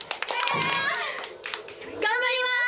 頑張ります！